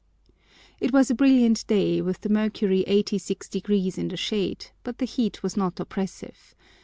It was a brilliant day, with the mercury 86° in the shade, but the heat was not oppressive.